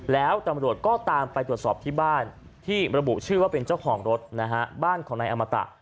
แล้วตำรวจก็ตามไปตรวจสอบที่บ้านที่ระบุชื่อว่าเป็นเจ้าของรถนะฮะบ้านของนายอมตะ